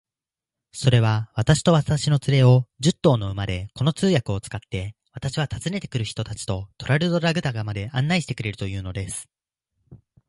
それは、私と私の連れを、十頭の馬で、この通訳を使って、私は訪ねて来る人たちとトラルドラグダカまで案内してくれるというのです。